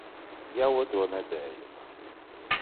Jau otro nedēļu.